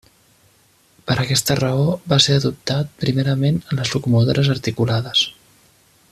Per aquesta raó va ser adoptat primerament en les locomotores articulades.